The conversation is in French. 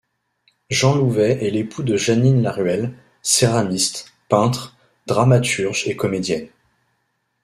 Jean Louvet est l'époux de Janine Laruelle, céramiste, peintre, dramaturge et comédienne.